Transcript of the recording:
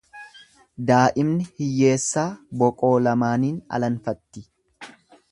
Daa'imni hiyyeessaa boqoo lamaaniin alanfatti.